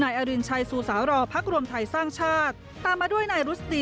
นายอาริณชัยสุฤาลลอร์พักรวมไทยสร้างชาติ